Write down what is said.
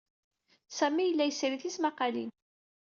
Sami yella yesri tismaqalin.